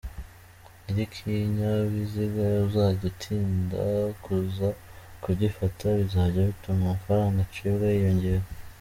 Nyir’ikinyabiziga uzajya atinda kuza kugifata bizajya bituma amafaranga acibwa yiyongera.